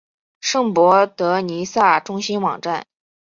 圣博德弥撒中心网站